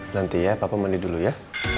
nanti ya papa mandi dulu ya